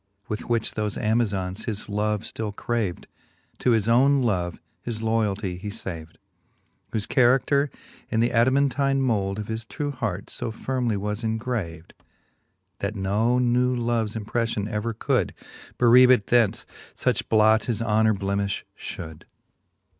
With which thofe Amazons his love ftill craved. To his owne love his loyaltie he faved : Whofe charader in th' Adamantine mould Of his true hart fo firmly was engraved, That no new loves impreflion ever could Bereave it thence : fuch blot his honour blemifh fhould.